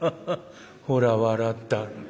「ほら笑った」。